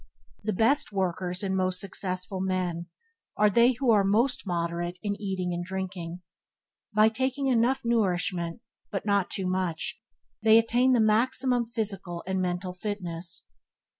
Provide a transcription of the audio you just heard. The best workers and most successful men are they who are most moderate in eating and drinking. By taking enough nourishment, but not too much, they attain the maximum physical and mental fitness.